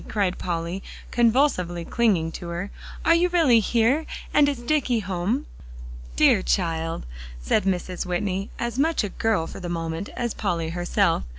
cried Polly, convulsively clinging to her, "are you really here, and is Dicky home?" "Dear child," said Mrs. Whitney, as much a girl for the moment as Polly herself.